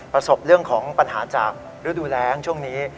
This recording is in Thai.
ประสบเรื่องของปัญหาจากฤดูแรงช่วงนี้